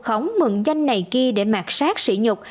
không mượn danh này kia để mạc sát sĩ nhục